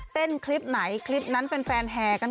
เต้นคลิปไหนคลิปนั้นแฟนแฮกัน